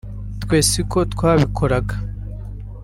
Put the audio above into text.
twe si ko twabikoraga